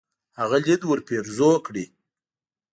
هغه ليد ورپېرزو کړي.